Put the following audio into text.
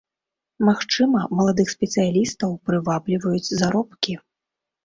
Магчыма, маладых спецыялістаў прывабліваюць заробкі.